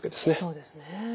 そうですね。